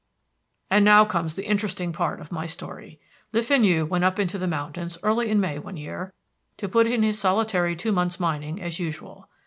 "And now comes the interesting part of my story, Le Fenu went up into the mountains early in May one year, to put in his solitary two months' mining, as usual.